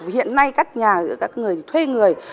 hiện nay các nhà các người thuê người